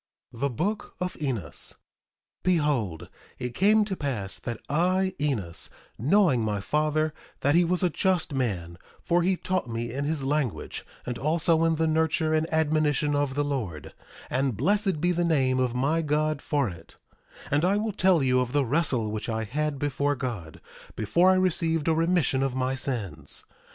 THE BOOK OF ENOS 1:1 Behold, it came to pass that I, Enos, knowing my father that he was a just man—for he taught me in his language, and also in the nurture and admonition of the Lord—and blessed be the name of my God for it— 1:2 And I will tell you of the wrestle which I had before God, before I received a remission of my sins.